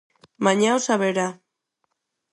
"Mañá o saberá."